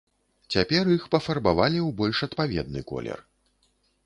Цяпер іх пафарбавалі ў больш адпаведны колер.